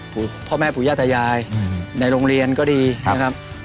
พ่อแม่ผู้ย่าตายายในโรงเรียนก็ดีนะครับ